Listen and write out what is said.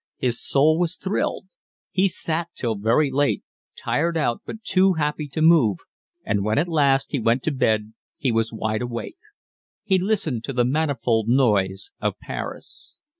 His soul was thrilled. He sat till very late, tired out but too happy to move, and when at last he went to bed he was wide awake; he listened to the manifold noise of Paris.